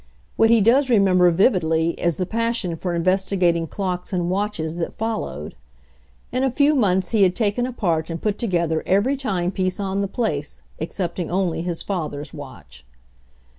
What he does remember vividly is the passion for investigating clocks and watches that followed. In a few months he had taken apart and put together every timepiece on the place, excepting only his father's watch.